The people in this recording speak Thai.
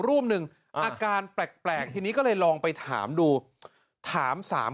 รูปหนึ่งอาการแปลกทีนี้ก็เลยลองไปถามดูถามสาม